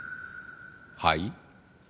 はい？